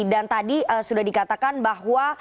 dan tadi sudah dikatakan bahwa